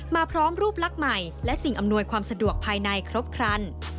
พร้อมรูปลักษณ์ใหม่และสิ่งอำนวยความสะดวกภายในครบครัน